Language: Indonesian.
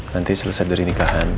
nanti selesai dari nikahan